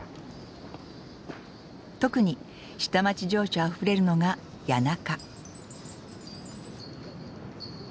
特に下町情緒あふれるのが谷中。